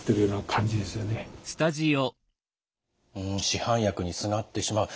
市販薬にすがってしまう。